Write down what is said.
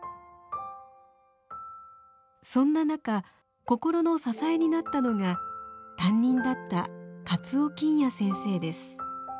そんな中心の支えになったのが担任だった勝尾金弥先生です。